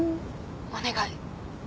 お願い。